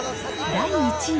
第１位。